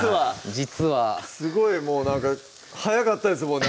実はすごいもうなんか早かったですもんね